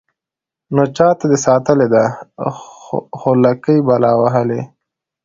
نو چاته دې ساتلې ده خولكۍ بلا وهلې.